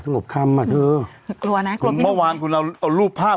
สงบคำเปล่าเธอกลัวนะขนมไว้มะวางคุณเอาเอารูปภาพ